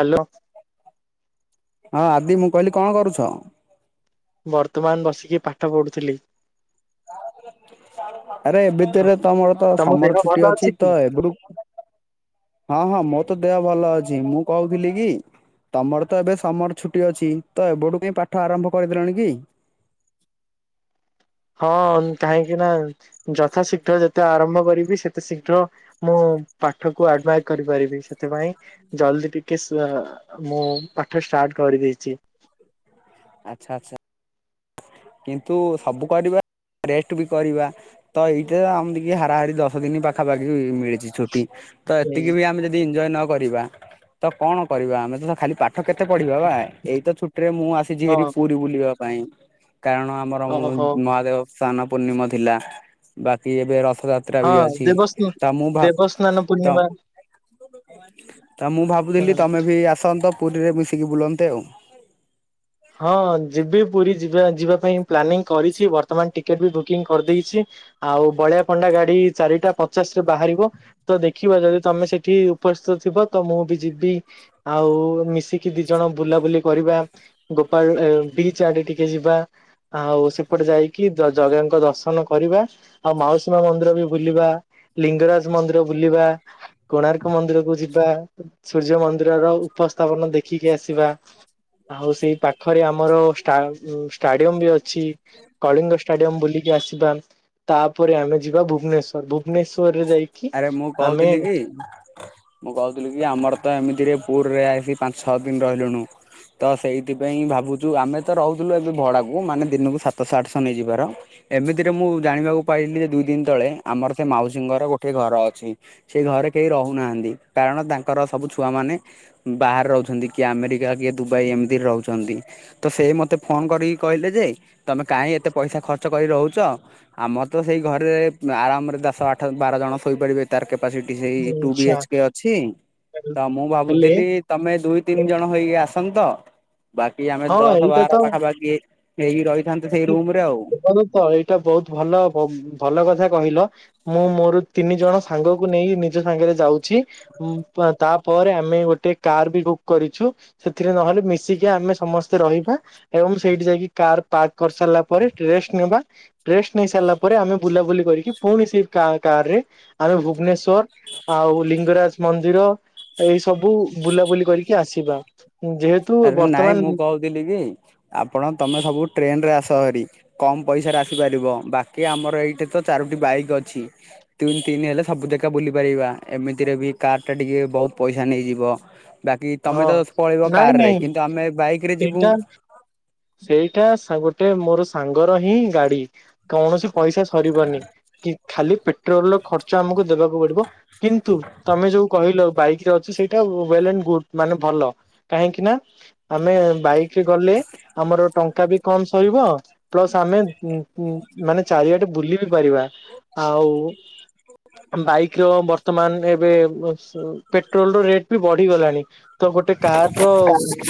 Hello ହଁ ଆଦି ମୁଁ କହିଲି କଣ କରୁଛ? ବର୍ତ୍ତମାନ ବସିକି ପାଠ ପଢ଼ୁଥିଲି। ଆରେ ଏ ତର ତମର ତ ତମ ଦେହ ସମର ଭଲ ଛୁଟି ଅଛି କି? ତ ଏବେଠୁ ହଁ ହଁ ମୋ ତ ଦେହ ଭଲ ଅଛି ମୁଁ କହୁଥିଲି କି ତମର ତ ଏବେ ସମର ଛୁଟି ଅଛି ତ ଏବେଠୁ କାଁଇଁ ପାଠ ଆରମ୍ଭ କରିଦେଲଣି କି। ହଁ କାହିଁକି ନା ଯଥା ଶୀଘ୍ର ଯେତେ ଆରମ୍ଭ କରିବି ସେତେ ଶୀଘ୍ର ମୁଁ ପାଠକୁ ଆଡଭାଇସ୍ କରିପାରିବି ସେଥିପାଇଁ ଜଲଦି ଟିକେ ଶୁଆ ମୁଁ ପାଠ ଷ୍ଟାର୍ଟ କରିଦେଇଚି। ଆଚ୍ଛା ଆଚ୍ଛା। କିନ୍ତୁ ସବୁ କରିବା ରେଷ୍ଟ ବି କରିବା। ତ ଏଇଟିରେ ଆମ ଟିକେ ହାରାହାରି ଦଶ ଦିନ ପାଖାପାଖି ମିଳିଚି। ଛୁଟି ତ ଏତିକି ବି ଆମେ ଯଦି ଏଞ୍ଜଏ ନ କରିବା ତ କଣ କରିବା ଆମେ ତ ତ ଖାଲି ପାଠ କେତେ ପଢିବା ବା ଏଇ ତ ଛୁଟି ରେ ମୁଁ ଆସିଚି ହଁ ହେରି ପୁରୀ ବୁଲିବା ପାଇଁ। କାରଣ ଆମର ଓହୋ ମହାଦେବ ସ୍ନାନ ପୂର୍ଣ୍ଣିମ ଥିଲା ବାକି ଏବେ ରଥଯା ତ୍ରା ବି ହଁ ଅଛି ଦେବସ୍ନ ତ ମୁଁ ଭା ଦେବସ୍ନାନ ତ ପୂର୍ଣ୍ଣିମା ତ ମୁଁ ଭାବୁଥିଲି ହୁଁ। ତମେ ବି ଆସନ୍ତ ପୁରୀରେ ମିଶିକି ବୁଲନ୍ତେ ଆଉ। ହଁ ଯିବି ପୁରୀ ଯିବା ଯିବା ପାଇଁ ପ୍ଲାନିଂ କରିଚି ବର୍ତ୍ତମାନ ଟିକେଟ ବି ବୁକିଂ କରିଦେଇଚି। ଆଉ ବଳିଆ ପଣ୍ଡା ଗାଡି ଚାରିଟା ପଚାଶ ରେ ବାହାରିବ। ତ ଦେଖିବା ଯଦି ତମେ ସେଠି ଉପସ୍ଥିତ ଥିବ ତ ମୁଁ ବି ଯିବିଶ ଆଉ ମିଶିକି ଦି ଜଣ ବୁଲାବୁଲି କରିବା। ଗୋପାଳ ଏ ବିଚ୍ ଆଡେ ଟିକେ ଯିବା। ଆଉ ସେପଟେ ଯାଇକି ଜ ଜଗାଙ୍କ ଦର୍ଶନ କରିବା। ଆଉ ମାଉସୀ ମା ମନ୍ଦିର ବି ବୁଲିବା। ଲିଙ୍ଗରାଜ ମନ୍ଦିର ବୁଲିବା କୋଣାର୍କ ମନ୍ଦିରକୁ ଯିବା ସୂର୍ଯ୍ୟ ମନ୍ଦିରର ଉପସ୍ଥାପନ ଦେଖିକି ଆସିବା ଆଉ ସେଇ ପାଖରେ ଆମ ଆମର ଷ୍ଟା ଷ୍ଟାଡିୟମ ବି ଅଛି କଳିଙ୍ଗ ଷ୍ଟାଡିୟମ। ବୁଲିକି ଆସିବା ତାପରେ ଆମେ ଯିବା ଭୁବନେଶ ଭୁବନେଶ୍ଵରରେ ଯାଇକି ଆରେ ମୁଁ ଆମେ [unintelligible] ମୁଁ କହୁଥିଲି କି ଆମର ତ ଏମିତିରେ ପୁରରେ ଆସିକି ପାଞ୍ଚ ଛଅ ଦିନ ରହିଲୁଣୁ ତ ସେଇଥିପାଇଁ ଭାବୁଚୁ ଆମେ ତ ରହୁଥିଲୁ ଏବେ ଭଡା କୁ ମାନେ ଦିନକୁ ସାତଶହ ଆଠଶହ ନେଇଯିବାର ଏମିତିରେ ମୁଁ ଜାଣିବାକୁ ପାଇଥିଲି ଯେ ଦୁଇ ଦିନ ତଳେ ଆମର ତ ମାଉସୀଙ୍କର ଗୋ ଟେ ଘର ଅଛି ସେଇ ଘରେ କେହି ରହୁନାହାନ୍ତି କାରଣ ତାଙ୍କର ସବୁ ଛୁଆମାନେ ବାହାରେ ରହୁଚନ୍ତି କିଏ ଆମେରିକା କିଏ ଦୁବାଇ ଏମିତି ରହୁଚନ୍ତି। ତ ସେଇ ମତେ ଫୋନ କରିକି କହିଲେ ଯେ ତମେ କାଇଁ ଏତେ ପଇସା ଖର୍ଚ୍ଚ କରି ରହୁଚ ଆମର ତ ସେଇ ଘରେ ଆରାମରେ ଦାଶ ଆଠ ବାର ଜଣ ଶୋଇପାରିବେ। ତାର କାପାସିଟି ସେଇ ଟୁ ବି ଆଛା ଏଚ କେ ଅଛି। ତ ମୁଁ ହେଲେ ଭାବୁଥିଲି ତମେ ଦୁଇ ତିନ ଜଣ ହୋଇକି ଆସ। ସ ନ୍ତ ତ ବାକି ଆମେ ହଁ ଦଶ ଏଇଟା ବାର ତ ମୁଁ ପାଖାପାଖି ହେଇକି ରହିଥାନ୍ତୁ। [unintelligible] ତ ଏଇଟା ବହୁତ ଭଲ ଭଲ କଥା କହିଲ। ମୁଁ ମୋର ତିନି ଜଣ ସାଙ୍ଗକୁ ନେଇ ନିଜ ସାଙ୍ଗରେ ଯାଉଚି ତା ପରେ ଆମେ ଗୋଟେ କାର ବି ବୁକ୍ କରିଛୁ ସେଥିରେ ନହେଲେ ମିଶିକି ଆମେ ସମସ୍ତେ ରହିବା। ଏବଂ ସେଇଠି ଯାଇକି କାର ପାର୍କ କରି ସାରିଲା ପରେ ଟ୍ରେଷ୍ଟ ନେବା। ଟ୍ରେଷ୍ଟ ନେଇ ସାରିଲା ପରେ ଆମେ ବୁଲାବୁଲି କରିକି ପୁଣି ସେ କା କାର୍ ରେ ଆମେ ଭୁବନେଶ୍ ଶ୍ୱର ଆଉ ଲିଙ୍ଗରାଜ ମନ୍ଦିର ଏଇ ସବୁ ବୁଲାବୁଲି କରିକି ଆସିବା ଯେହେତୁ ବର୍ତ୍ତମାନ ଥିଲୀ କି ଆପଣ ତମେ ସବୁ ଟ୍ରେଣ୍ଡ ରେ ଆସହାରି। କମ୍ ପଇସାରେ ଆସିପାରିବ ବାକି ଆମର ଏଇଟି ତ ଚାରୋଟି ବାଇକ୍ ଅଛି। ତିନ୍ ତିନି ହେଲେ ସବୁ ଦେକ ବୁଲିପାରିବା ଏମିତିରେ ବି କାର୍ ଟା ଟିକେ ବହୁତ ପଇସା ନେଇଯିବ। ବାକି ତମେ ହଁ ତ ପଳେଇବ ନାଇଁ କାରରେ ନାଇଁ କିନ୍ତୁ ଆମେ ବାଇକରେ ଯିବୁ। ସେଇଟା ସେଇଟା ସା ଗୋଟେ ମୋର ସାଙ୍ଗର ହିଁ ଗାଡି କୌଣସି ପଇସା ସରିବନି। କି ଖାଲି ପେଟ୍ରୋଲ ର ଖର୍ଚ୍ଚ ଆମକୁ ଦେବାକୁ ପଡିବ। କିନ୍ତୁ ତମେ ଯୋଉ କହିଲ ବାଇକ ରେ ଅଛି ସେଇ ଟା ୱଲ୍ ଆଣ୍ଡ ଗୁଡ୍ ମାନେ ଭଲ କାହିଁକି ନା ଆମେ ବାଇକି ଗଲେ ଆମର ଟଙ୍କା ବି କମ୍ ସହିବ। ପ୍ଲସ୍ ଆମେ ଉଁ ଉଁ ମାନେ ଚାରିଆଟେ ବୁଲି ବି ପାରିବା ଆଉ ବାଇକ ର ବର୍ତ୍ତମାନ ଏବେ ପେଟ୍ରୋଲ ର ରେଟ ବି ବଢିଗଲାଣି। ତ ଗୋଟେ କାର ର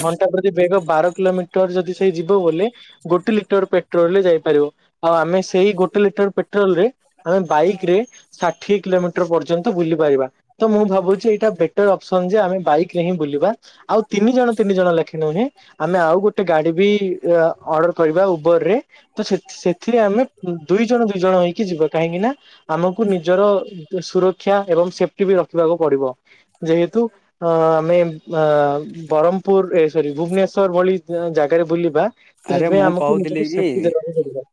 ଘଣ୍ଟା ପ୍ରତି ବେଗ ବାର କିଲୋମିଟର ଯଦି ସେଇ ଯିବ ବୋଲି ଗୋଟେ ଲିଟର ପେଟ୍ରୋଲରେ ଯାଇପାରିବ ଆଉ ଆମେ ସେଇ ଗୋଟେ ଲିଟର ପେଟ୍ରୋଲ ରେ ଆମେ ବାଇକ ରେ ଷାଠିଏ କିଲୋମିଟର ପର୍ଯ୍ୟନ୍ତ ବୁଲି ପାରିବା। ତ ମୁଁ ଭାବୁଛି ଏଇଟା ବେଟର ଅପ୍ସନ ଯେ ଆମେ ବାଇକରେ ହିଁ ବୁଲିବା। ଆଉ ତିନି ଜଣ ତିନି ଜଣ ଲେଖେ ନୁହେଁ ଆମେ ଆଉ ଗୋଟ ଗୋଟେ ଗାଡି ବି ଅର୍ଡର କରିବା ଉପରେ ତ ସେ ସେଥିରେ ଆମେ ଦୁଇ ଜଣ ଦୁଇ ଜଣ ହେଇକି ଯିବା କାହିଁକି ନା ଆମକୁ ନିଜର ସୁରକ୍ଷା ଏବଂ ସେଫ୍ଟି ବି ରଖିବାକୁ ପଡିବ। ଯେହେତୁ ଅ ଆମେ ବ୍ରହ୍ମପୁର ଏ ସରି ଭୁବନେଶ୍ଵର ଭଳି ଜାଗାରେ ବୁଲିବା ତ ଆରେ ସେଥିପାଇଁ ମୁଁ ଆମକୁ କହୁଥିଲି ନିଜକୁ କି ସେଫ୍ଟି ଦେବାକୁ ପଡିବ।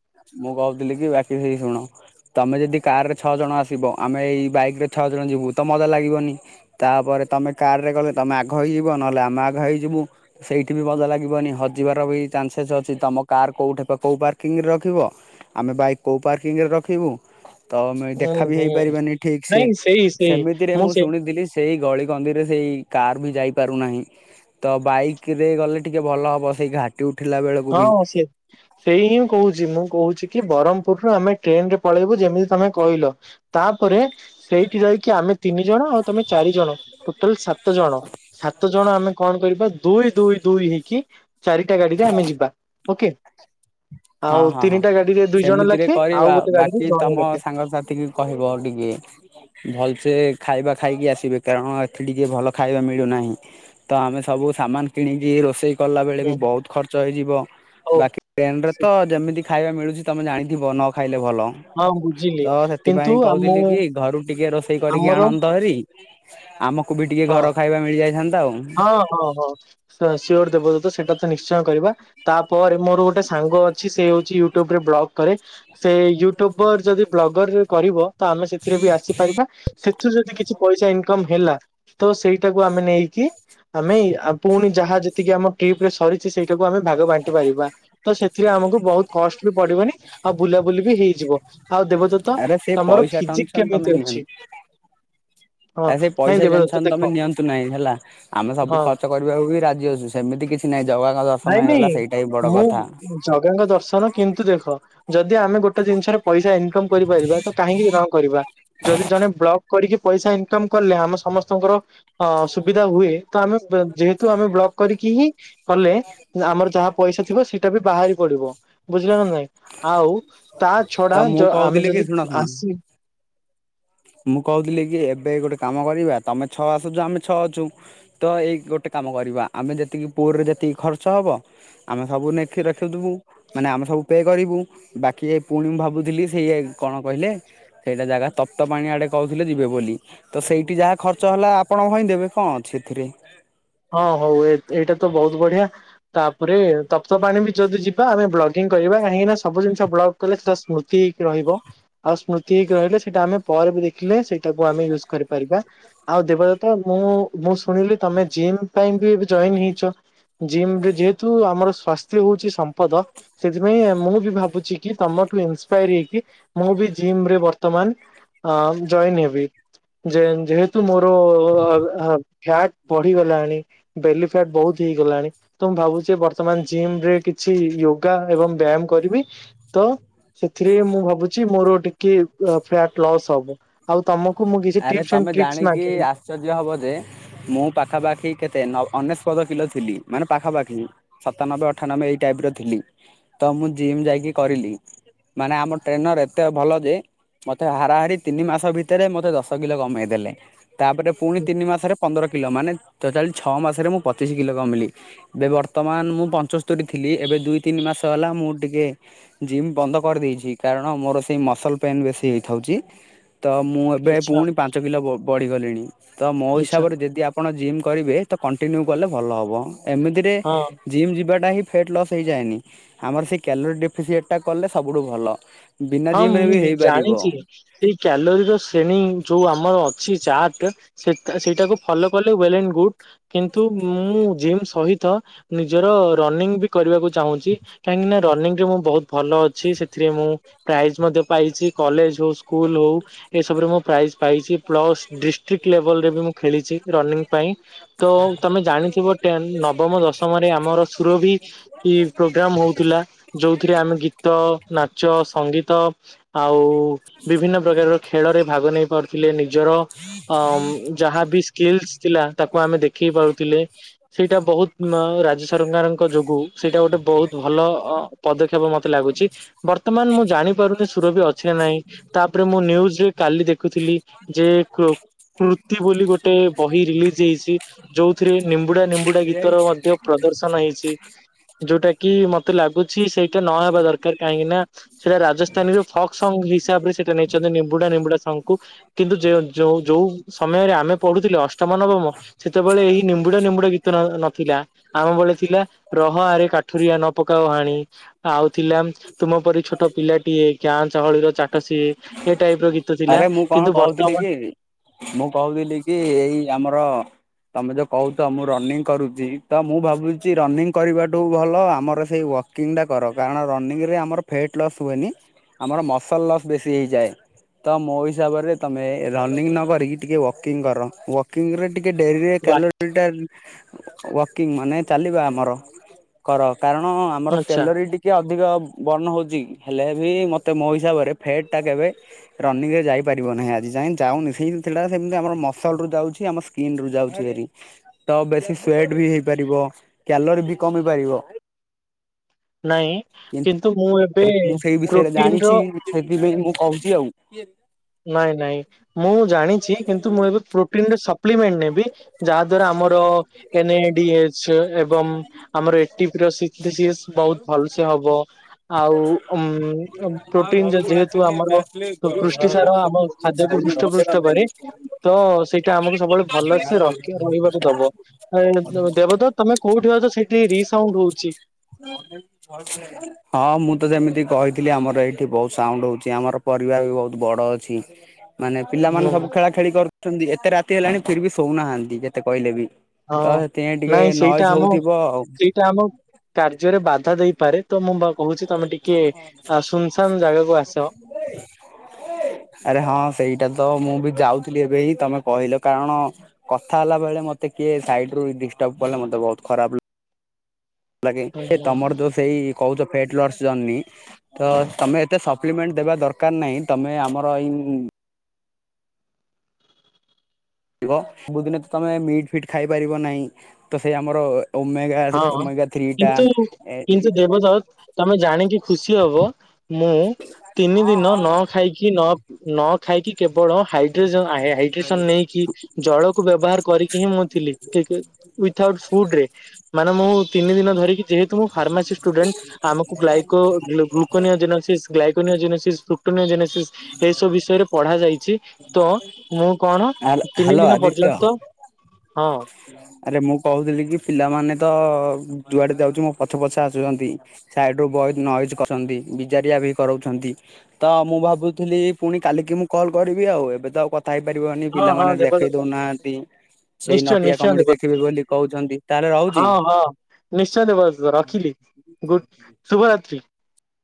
ମୁଁ କହୁଥିଲି କି ବାକି ସେଇ ଶୁଣ। ତମେ ଯଦି କାର୍ ରେ ଛଅ ଜଣ ଆସିବ ଆମେ ଏଇ ବାଇକ୍ ରେ ଛଅ ଜଣ ଯିବୁ ତ ମଜା ଲାଗିବନି। ତାପରେ ତମେ କାର ରେ ଗଲେ ତମେ ଆଘ ହେଇଯିବ ନହେଲେ ଆମେ ଆଘ ହେଇଯିବୁ। ସେଇଠି ବି ମଜା ଲାଗିବନି ହଜିବାର ବି ଚାନ୍ସେସ୍ ଅଛି ତମ କାର କୋଉଠେ ପ କୋଉ ପାର୍କିଂରେ ରଖିବ। ଆମେ ବାଇକ୍ କୋଉ ପାର୍କିଂରେ ରଖିବୁ। ତ ମେ ହୁଁ ଦେଖା ବି ହୁଁ ହେଇପାରିବାନି ଠିକ୍ ସେ ନାଇଁ ସେଇ ସେଇ ସେମିତିରେ ମୁଁ ସେଇ ଶୁଣିଥିଲି ସେଇ ଗଳି କନ୍ଦିରେ ସେଇ କାର୍ ବି ଯାଇ ପାରୁନାହିଁ। ତ ବାଇକ ରେ ଗଲେ ଟିକେ ଭଲ ହବ ସେଇ ଘାଟ ଟି ଉଠିଲା ବେଳକୁ ବି। ହଁ ସିଏ ସେଇ ହିଁ କହୁଛି ମୁଁ କହୁଛି କି ବରହ୍ମପୁରୁ ର ଆମେ ଟ୍ରେନ ରେ ପଳେଇବୁ ଯେମିତି ତମେ କହିଲ। ତାପରେ ସେଇଠି ଯାଇକି ଆମେ ତିନି ଜଣ ଆଉ ତମେ ଚାରି ଜଣ ଟୋଟାଲ ସାତ୍ ସାତ ଜଣ ସାତ ଜଣ ଆମେ କଣ କରିବା ଦୁଇ ଦୁଇ ଦୁଇ ହେଇକି ଚାରିଟା ଗାଡିରେ ଆମେ ଯି ବା ଓକେ। ହଁ ଆଉ ହଁ ହଁ ତିନିଟା ଗାଡିରେ ଦୁଇ ଜଣ ସେମିତିରେ ଲାଖେ ଆଉ କରିବା ଗୋଟେ ଗାଡିରେ ବାକି ଜଣେ ତମ ଲେଖେ। ସାଙ୍ଗସାଥିକି କହିବ ଟିକେ। ଭଲସେ ଖାଇବା ଖାଇକି ଆସିବେ କାରଣ ଏଠି ଟିକେ ଭଲ ଖାଇବା ମିଳୁନାହିଁ। ତ ଆମେ ସବୁ ସାମାନ କିଣିକି ରୋଷେଇ କଲା ବେଳେ ବି ବହୁତ ଖର୍ଚ୍ଚ ହେଇଯିବ ହଉ। ବାକି ଟ୍ରେଣ୍ଡେ ରେ ତ ତ ଯେମିତି ଖାଇବା ମିଳୁଛି ତମେ ଜାଣିଥିବ ନ ଖାଇଲେ ଭଲ। ହଁ ବୁଝିଲି ତ କିନ୍ତୁ ସେଥିପାଇଁ ଆମ କହୁଥିଲି କି ଘରୁ ଟିକେ ରୋଷେଇ କରିକି ଆମର ଆଣନ୍ତ ହେରି। ଆମକୁ ବି ଟିକେ ହଁ ଘର ଖାଇବା ମିଳିଯାଇଥାନ୍ତା ଆଉ। ହଁ ହଁ ହଁ। ସାର ସିଏ ଗୋଟେ ଦେବଦୁତ ସେଟା ତ ନିଶ୍ଚୟ କରିବା। ତାପରେ ମୋର ଗୋଟେ ସାଙ୍ଗ ଅଛି ସେ ହେଉଛି ୟୁଟୁବରେ ବ୍ଲଗ କରେ। ସେ ୟୁଟ୍ୟୁବର ଯଦି ବ୍ଲଗରରେ କରିବ। ତ ଆମେ ସେଥିରେ ବି ଆସିପାରିବା ସେଥିରୁ ଯଦି କିଛି ପଇସା ଇନକମ୍ ହେଲା। ତ ସେଇଟାକୁ ଆମେ ନେଇକି ଆମେ ପୁଣି ଯାହା ଯେତିକି ଆମ ଟ୍ରିପ ରେ ସରି ଛି ସେଇଟାକୁ ଆମେ ଭାଗ ବାଣ୍ଟି ପାରିବା। ତ ସେଥିରେ ଆମକୁ ବହୁତ କଷ୍ଟ ବି ପଡିବନି ଆଉ ବୁଲାବୁଲି ବି ହେଇଯିବ। ଆଉ ଦେବଦୂତ ଆରେ ସେ ତମର ପଇସା ଫିଜିକ୍ ଟେନସନ ତମେ କେମିତି ନିଅନି। ଅଛି। ହଁ ଆ ସେଇ ନାଇଁ ପଇସା ଦେବଦୂତ ଟେନସନ ଦେ ତମେ ନିଅନ୍ତୁ ନାହିଁ ହେଲା ଆମେ ସବୁ ଖର୍ଚ କରିବାକୁ ବି ରାଜି ଅଛୁ। ସେମିତି କିଛି ନାଇ ଜଗାଙ୍କ ନାଇଁ ଦର୍ଶନ ନାଇଁ ହେଇଗଲା ସେଇଟା ହିଁ ବଡ ମୁଁ କଥା। ଜଗାଙ୍କ ଦର୍ଶନ କିନ୍ତୁ ଦେଖ ଯଦି ଆମେ ଗୋଟେ ଜିନିଷରେ ପଇସା ଇନକମ୍ କରିପାରିବା ତ କାହିଁକି ର କରିବା ଯଦି ଜଣେ ବ୍ଲଗ୍ କରିକି ପଇସା ଇନକମ କଲେ ଆମ ସମସ୍ତଙ୍କର ଅ ସୁବିଧା ହୁଏ ତ ଆମେ ବ ଯେହେତୁ ଆମେ ବ୍ଲକ୍ କରିକି ହିଁ କଲେ ଆମର ଯାହା ପଇସା ଥିବ ସିଟା ବି ବାହାରି ପଡିବ ବୁଝିଲ ନା ନାଇଁ? ଆଉ ତା ତ ଛଡା ମୁଁ ଯ ଆମେ କହୁଥିଲି କି ଯଦି ଶୁଣ ଶୁଣ ଆସି ମୁଁ କହୁଥିଲି କି ଏବେ ଗୋଟେ କାମ କରିବା ତମେ ଛଅ ଆସୁଚ ଆମେ ଛଅ ଅଚୁ ତ ଏଇ ଗୋଟେ କାମ କରିବା ଆମେ ଯେତିକି ପୋଅରେ ଯେତିକି ଖର୍ଚ୍ଚ ହବ ଆମେ ସବୁ ନେଖି ରଖିଥିବୁ ମାନେ ଆମେ ସବୁ ପେ କରିବୁ ବାକି ଏ ପୁଣି ମୁଁ ଭାବୁଥିଲି ସେଇଆ କଣ କହିଲେ? ସେଇଟା ଜାଗା ତପ୍ତ ପାଣି ଆଡ଼େ କହୁଥିଲେ ଯିବେ ବୋଲି। ତ ସେଇଠି ଯାହା ଖର୍ଚ୍ଚ ହେଲା ଆପଣ ଭୋଇ ଦେବେ କଁ ଅଛି ଏଥିରେ। ହଁ ହଉ ଏତ୍ ଏଇଟା ତ ବହୁତ ବଢିଆ ତାପରେ ତପ୍ତ ପାଣି ବି ଯଦି ଯିବା ଆମେ ବ୍ଲଗିଂ କରିବା କାହିଁକି ନା ସବୁ ଜିନିଷ ବ୍ଲଗ୍ କଲେ ସେଟା ସ୍ମୃତି ହେଇକି ରହିବ। ଆଉ ସ୍ମୃତି ହେଇକି ରହିଲେ ସେଟା ଆମେ ପରେ ବି ଦେଖିଲେ ସେଇ ତାକୁ ଆମେ ୟୁଜ କରିପାରିବା। ଆଉ ଦେବଦତ ମୁଁ ମୁଁ ଶୁଣିଲି ତମେ ଜିମ୍ ପାଇଁ ବି ଏବେ ଜଏନ୍ ହେଇଚ। ଜିମ୍ ରେ ଯେହେତୁ ଆମର ସ୍ଵାସ୍ଥ୍ୟ ହଉଚି ସମ୍ପଦ ସେଥିପାଇଁ ମୁଁ ବି ଭାବୁଚି କି ତମଠୁ ଇନ୍ସ୍ପାଏର ହେଇକି ମୁଁ ବି ଜିମ୍ ରେ ବର୍ତମାନ ଆ ଜଏନ୍ ହେବି ଯେ ଯେହେତୁ ମୋର ଆ ଫ୍ୟାଟ୍ ପଢିଗଲାଣି ବେଲି ଫ୍ୟାଟ୍ ବହୁତ ହେଇଗଲାଣି ତ ମୁଁ ଭାବୁଛି ବର୍ତ୍ତମାନ ଜିମ୍ ରେ କିଛି ୟୋଗା ଏବଂ ବ୍ୟାୟାମ କରିବି ତ ସେଥିରେ ମୁଁ ଭାବୁଛି ମୋର ଟିକେ ଫ୍ଲେଟ ଲସ୍ ହବ। ଆଉ ତମ କୁ ମୁଁ କିଛି ଆରେ ଟିପ୍ସ ତମେ ଆଣ୍ଡ ଟ୍ରିକ୍ସ୍ ଜାଣିକି ମାଗିବି। ଆଶ୍ଚର୍ଯ୍ୟ ହବ ଯେ ମୁଁ ପାଖାପାଖି କେତେ ନ ଅନେସ୍ପଦ କିଲୋ ଥିଲି ମାନେ ପାଖାପାଖି ସତାନବେ ଅଠାନବେ ଏଇ ଟାଇପ୍ ର ଥିଲି ତ ମୁଁ ଜିମ୍ ଯାଇକି କରିଲି ମାନେ ଆମ ଟ୍ରେନର ଏତେ ଭଲ ଯେ ମତେ ହାରାହାରି ତିନି ମାସ ଭିତରେ ମତେ ଦଶ- ତ କିଲ କମେଇ ଦେଲେ ତାପରେ ପୁଣି ତିନି ମାସରେ ପନ୍ଦର କିଲ ମାନେ ତୋତାଲି ଛଅ ମାସରେ ମୁଁ ପଚିଶ କିଲ କମିଲି। ଏବେ ବର୍ତ୍ତମାନ ମୁଁ ପଞ୍ଚସ୍ତରୀ ଥିଲି। ଏବେ ଦୁଇ ତିନି ମାସ ହେଲା ମୁଁ ଟିକେ ଜିମ୍ ବନ୍ଦ କରିଦେଇଚି କାରଣ ମୋର ସେଇ ମସଲ ପେନ୍ ବେଶୀ ହେଇଥାଉଚି ତ ମୁଁ ଏବେ ଆଚ୍ଛା ପୁଣି ପାଞ୍ଚ କିଲ ବ ବଢିଗଲିଣି ତ ମୋ ଆଚ୍ଛା ହିସାବରେ ଯଦି ଆ ଆପଣ ଜିମ୍ କରିବେ ତ କଣ୍ଟିନ୍ୟୁ କଲେ ଭଲ ହବ। ଏମିତିରେ ହଁ ଜିମ୍ ଯିବାଟା ହିଁ ଫେଟ୍ ଲସ୍ ହେଇଯାଏନି ଆମର ସେ କ୍ୟାଲୋରୀ ଡେଫିସିଏଟ୍ କଲେ ସବୁଠୁ ଭଲ ବିନା ହଁ ଜିମ୍ ରେ ବି ମୁଁ ହେଇପାରିବ। ଜାଣିଛି ସେଇ କ୍ୟାଲୋରୀ ର ସେଣୀ ଯୋଉ ଆମର ଅଛି ଚାର୍ଟ ସେତ ସେଇଟାକୁ ଫଲୋ କଲେ ୱେଲ୍ ଆଣ୍ଡ ଗୁଡ୍ କିନ୍ତୁ ମୁଁ ଜିମ୍ ସହିତ ନିଜର ର ରନିଙ୍ଗ ବି କରିବାକୁ ଚାହୁଁଚି କାହିଁକିନା ରନିଙ୍ଗ ରେ ମୁଁ ବହୁତ ଭଲ ଅଛି ସେଥିରେ ମୁଁ ପ୍ରାଇଜ ମଧ୍ୟ ପାଇଚି କଲେଜ ହଉ ସ୍କୁଲ ହଉ ଏସବୁରେ ମୁଁ ପ୍ରାଇଜ ପାଇଚି ପ୍ଲସ୍ ଡିଷ୍ଟ୍ରିକ୍ଟ ଲେବଲରେ ବି ମୁଁ ଖେଳିଚି ରନିଙ୍ଗ ପାଇଁ ତ ତମେ ଜାଣିଥିବ ଟେନ ନବମ ଦଶମରେ ଆମର ସୁରଭି ଇର ପ୍ରୋଗ୍ରାମ ହଉଥିଲା ଯୋଉଥିରେ ଆମେ ଗୀତ ନାଚ ସଙ୍ଗୀତ ଆଉ ବିଭିନ୍ନ ପ୍ରକାର ର ଖେଳରେ ଭାଗ ନେଇ ପାରୁଥିଲେ ନିଜର ଆମ ଯାହାବି ସ୍କିଲ୍ସ୍ ଥିଲା ତାକୁ ଆମେ ଦେଖେଇ ପାରୁଥିଲେ ସେଇଟା ବହୁତ ନାଁ ରାଜ୍ୟ ସରକାରଙ୍କ ଯୋଗୁ ସେଇଟା ଗୋଟେ ବହୁତ ଭଲ ଅ ପଦକ୍ଷେପ ମତେ ଲାଗୁଚି ବର୍ତ୍ତମାନ ମୁଁ ଜାଣିପାରୁନି ସୁରଭି ଅଛି ନା ନାହିଁ ତାପରେ ମୁଁ ନିଉଜ କାଲି ଦେଖୁଥିଲି ଯେ କୃ କୃତି ବୋଲି ଗୋଟେ ବହି ରିଲିଜ ହେଇଚି ଯୋଉଥିରେ ନିମ୍ବୁଡା ନିମ୍ବୁଡା ଗୀତର ମଧ୍ୟ ପ୍ରଦର୍ଶନ ହେଇଚି ଯୋଉଟା କି ମତେ ଲାଗୁଛି ସେଇଟା ନହେବା ଦରକାର କାହିଁକି ନା ସେଇଟା ରାଜସ୍ଥାନୀରେ ଫକ୍ ସଙ୍ଗ ହିସାବରେ ସେଟା ନେଇଛନ୍ତି ନିମ୍ବୁଡା ନିମ୍ବୁଡା ସଙ୍ଗ କୁ କିନ୍ତୁ ଯେ -ଯୋଉ ଯୋଉ ସମୟରେ ଆମେ ପଢୁଥିଲେ ଅଷ୍ଟମ ନବମ ସେତେବେଳେ ଏହି ନିମ୍ବୁଡା ନିମ୍ବୁଡା ଗୀତ ନଥିଲା। ଆମ ବେଳେ ଥିଲା ରହ ଆରେ କାଠୁରିଆ ନ ପକାଅ ହାଣି ଆଉ ଥିଲା ତୁମ ପରି ଛୋଟ ପିଲାଟିଏ ଗାଁ ଚହଳିର ଚାଟ ସିଏ। ଏ ଟାଇପ ର ଗୀତ ଥିଲା ଆରେ ମୁଁ କଣ କିନ୍ତୁ କହୁଥିଲି ବର୍ତ୍ତମାନ କି ମୁଁ କହୁଥିଲି କି ଏଇ ଆମର ତମେ ଯୋଉ କହୁଛ ମୁଁ ରନିଙ୍ଗ କରୁଛି ତ ମୁଁ ଭାବୁଛି ରନିଙ୍ଗ କରିବାଠୁ ଭଲ ଆମର ସେଇ ୱା ୱାକିଙ୍ଗ ଟା କର କାରଣ ରନିଙ୍ଗ ରେ ଆମର ଫେଟ୍ ଲସ୍ ହୁଏନି ଆମର ମସଲ୍ ଲସ୍ ବେଶୀ ହୋଇଯାଏ। ତ ମୋ ହିସାବରେ ତମେ ରନିଙ୍ଗ ନ କରିକି ଟିକେ ୱାକିଙ୍ଗ କର ୱାକିଙ୍ଗ ରେ ଟିକେ ଡେରିରେ ବା କାଲୋରୀ ଟା ୱାକିଙ୍ଗ ମାନେ ଚାଲିବା ଆମର କର କାରଣ ଆମର ଆଚ୍ଛା କ୍ୟାଲୋରୀ ଟି କି ଅଧିକ ବର୍ଣ୍ଣ ହଉଛି କି ହେଲେ ବି ମୋତେ ମୋ ହିସାବରେ ଫେଟ ଟା କେବେ ରନିଙ୍ଗ ରେ ଯାଇପାରିବ ନାହିଁ ଆଜି ଯାଇଁ ଯାଉନି ସେଇ ଜିନିଷ ଟା ସେମିତି ଆମର ମସଲ ଯାଉଛି ଆମ ସ୍କିନ ଯାଉଛି ଭାରି ତ ବେଶୀ ସ୍ଵେଟ ବି ହେଇପାରିବ କ୍ୟାଲର ବି କମି ପାରିବ। ନାଇଁ କିନ୍ତୁ ମୁଁ ଏବେ ପ୍ରୋଟିନ ର ହେଥିପାଇଁ ମୁଁ କହୁଛି ଆଉ ନାଇଁ ନାଇଁ ମୁଁ ଜାଣିଛି କିନ୍ତୁ ମୁଁ ଏବେ ପ୍ରୋଟିନ ର ସପ୍ଲିମେଣ୍ଟ ନେ ବି ଯାହା ଦ୍ଵାରା ଆମର ଏନ ଏ ଡି ଏଚ୍ ଏବଂ ଆମର ଏଟିପ [unintelligible] ବହୁତ ଭଲସେ ହବ ଆଉ ଉମ ହଁ ଘରୁ -ପ୍ରୋଟିନ ଯେହେତୁ ପଳେଇ ଆମର ଆସିଲି ପୃ ଏବେ ପୃଷ୍ଟିସାର ଆମ ଖାଦ୍ୟକୁୁ ହୃଷ୍ଟ ପୃଷ୍ଟ ଆସିଲି। କରେ ତ ସେ ଟା ଆମକୁ ସବୁବେଳେ ଭଲସେ ରଖୀ ରହିବାକୁ ଦବ ଦେବଦତ୍ ତମେ କୋଉଠି ଅଛ ସେଇଠି ରିସାଉଣ୍ଡ ହଉଛି। [inaudible] ହଁ ମୁଁ ତ ଯେମିତି କହିଥିଲି ଆମର ଏଇଠି ବହୁତ ସାଉଣ୍ଡ ହଉଛି ଆମର ପରିବାର ବି ବହୁତ ବଡ ଅଛି। [unintelligible] ମାନେ ହୁଁ, ପିଲାମାନେ ସବୁ ଖେଳା ଖେଳି କରୁଛନ୍ତି ଏତେ ରାତି ହେଲାଣି ଫିର ବି ଶୋଉନାହାନ୍ତି ଯେତେ କହିଲେ ବି। ତ ହଁ ହେଥିପାଇଁ ଟିକେ ନାଇଁ ସେଇଟା ନଏଜ୍ ଆମ ହଉଥିବ ଆଉ। ସେଇଟା ଆମ କାର୍ଯ୍ୟରେ ବାଧା ଦେଇପାରେ ତ ମୁଁ ଭା କହୁଛି ତମେ ଟିକେ ଆ ସୁନସାନ୍ ଜାଗାକୁ ଆସ। [unintelligible] ଆରେ ହଁ ସେଇଟା ତ ମୁଁ ବି ଯାଉଥିଲି ଏବେ ହିଁ ତମେ କହିଲ କାରଣ କଥା ହେଲା ବେଳେ ମତେ କିଏ ସାଇଡ ରୁ ଡିଷ୍ଟର୍ବ କଲେ ମତେ ବହୁତ ଖରାପ ଲାଗେ ସେ ତମର ଯୋଉ ସେଇ କହୁଛ ଫେଟ୍ ଲସ ଜର୍ଣ୍ଣି ତ ତମେ ଏତେ ସପ୍ଲିମେଣ୍ଟ ଦେବା ଦରକାର ନାହିଁ ତମେ ଆମର ଏଇ ଥିବ ବହୁତ ଦିନ ତ ତମେ ମିଟ ଫିଟ୍ ଖାଇପାରିବ ନାହିଁ ତ ସେଇ ଆମର ଓମେଗା ଓମେଗା ଥ୍ରୀଟା ଦେବଦତ୍ ତମେ ଜାଣିକି ଖୁସି ହବ ମୁଁ ତିନି ଦିନ ନ ଖାଇ କି ନ ନ ଖାଇକି କେବଳ ହାଇଡ୍ରୋଜନ ଆହେ ହାଇଡ୍ରେସନ ନେଇକି ଜଳକୁ ବ୍ୟବହାର କରିକି ହିଁ ମୁଁ ଥିଲି ଉଇଥି ଆଉଟ ଫୁଡରେ। ମାନେ ମୁଁ ତିନି ଦିନ ଧରିକି ଯେହେତୁ ମୁଁ ଫାର୍ମାସି ଷ୍ଟୁଡେଣ୍ଟ। ଆମକୁ ଗ୍ଲାଇକ୍ଲୋ [unintelligible] ଗ୍ଲାଇକୋନିଓ ଜେନେସିସ୍ ଲୁକ୍ଟୋନିଓ ଜେନେସିସ୍ ଏସବୁ ବିଷୟରେ ପଢ଼ାଯାଇଛି ତ ମୁଁ କଣ ତିନି ହ୍ୟାଲୋ ଦିନ ଆଦିତ୍ୟ ପର୍ଯ୍ୟନ୍ତ ହଁ। ଆରେ ମୁଁ କହୁଥିଲି କି ପିଲାମାନେ ତ ଯୁଆଡେ ଯାଉଛି ମୋ ପଛେ ପଛେ ଆସୁଛନ୍ତି। ସାଇଡ ରୁ ବହୁତ ନଏଜ୍ କରଛନ୍ତି ବିଜାରିଆ ବି କରଉଛନ୍ତି। ତ ମୁଁ ଭାବୁଥିଲି ପୁଣି କାଲିକି ମୁଁ କଲ୍ କରିବି ଆଉ ଏବେ ତ ଆଉ କ ଥାଇ ପାରିବନି ହଁ ହଁ ପିଲାମାନେ ଦେଖେଇ ଦେବଦତ୍ତ ଦଉନାହାନ୍ତି ସେଇ ନିଶ୍ଚୟ ନଟିଆ ନିଶ୍ଚୟ କମେଡି ଦେବ ଦେଖିବି ବୋଲି କହୁଛନ୍ତି ତାହେଲେ ରହୁଛି। ହଁ ହଁ ନିଶ୍ଚୟ ଦେବ ରଖିଲି ଗୁଡ ଶୁଭରାତ୍ରି